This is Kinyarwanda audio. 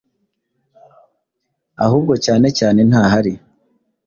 ahubwo cyane cyane ntahari,